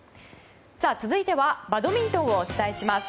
続いてはバドミントンをお伝えします。